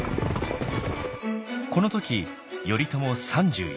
この時頼朝３４歳。